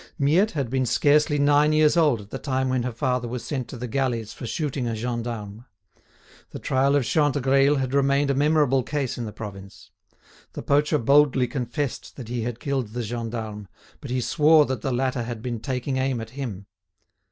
Miette had been scarcely nine years old at the time when her father was sent to the galleys for shooting a gendarme. The trial of Chantegreil had remained a memorable case in the province. The poacher boldly confessed that he had killed the gendarme, but he swore that the latter had been taking aim at him.